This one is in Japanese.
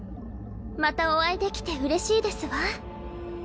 またお会いできてうれしいですわ。